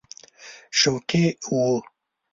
شوقي وو.